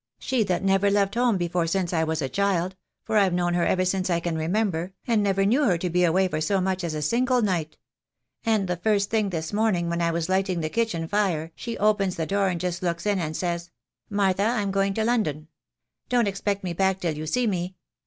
She that never left home before since I was a child — for I've known her ever since I can remember, and never knew her to be away for so much as a single night. And the first thing this morning when I was lighting the kitchen fire she opens the door and just looks in and says — 'Martha, I'm going to London. 184 THE DAY WILL COME. Don't expect me back till you see me.